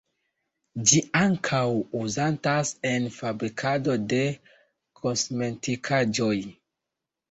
Ĝi ankaŭ uzatas en fabrikado de kosmetikaĵoj.